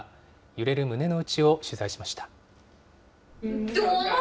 揺れる胸の内を取材しました。